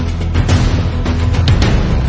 สวัสดีครับ